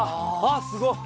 あっすごい！